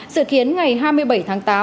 sự khiến ngày hai mươi bảy tháng tám